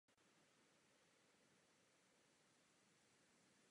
Uvádí například Bořivoje jako prvního křesťanského knížete Čechů a vypráví o jeho křtu.